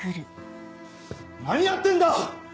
何やってんだ！